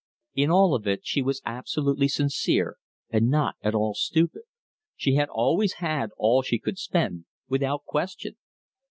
In all of it she was absolutely sincere, and not at all stupid. She had always had all she could spend, without question.